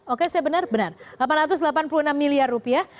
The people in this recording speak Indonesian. oke saya benar benar delapan ratus delapan puluh enam miliar rupiah